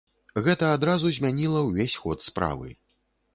Гэта адразу змяніла ўвесь ход справы.